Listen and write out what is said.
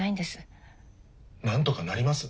なんとかなります